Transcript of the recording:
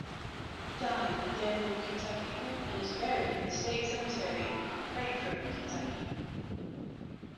He died in Danville, Kentucky, and is buried in the State Cemetery, Frankfort, Kentucky.